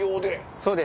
そうです。